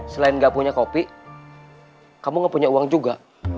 selain nggak punya kopi kamu gak punya uang juga